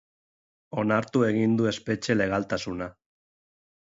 Onartu egin du espetxe legaltasuna.